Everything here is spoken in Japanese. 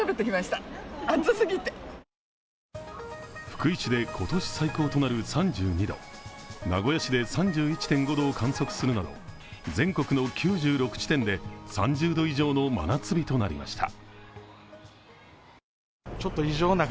福井市で今年最高となる３２度、名古屋市で３１．５度を観測するなど、全国の９６地点で３０度以上の真夏日となりました。